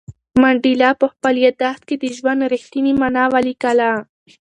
منډېلا په خپل یادښت کې د ژوند رښتینې مانا ولیکله.